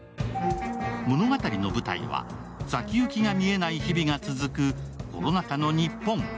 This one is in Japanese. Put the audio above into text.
物語の舞台は先行きが見えない日々が続くコロナ禍の日本。